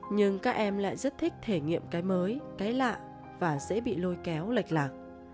nhưng các em lại rất thích thể nghiệm cái mới cái lạ và dễ bị lôi kéo lệch lạc